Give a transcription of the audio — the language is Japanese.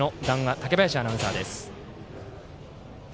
竹林アナウンサーです。